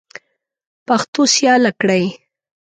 پښتو سیاله کړئ.